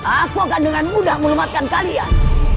aku akan dengan mudah melemahkan kalian